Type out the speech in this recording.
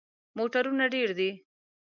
موټرونه ډیر دي